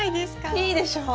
いいでしょう？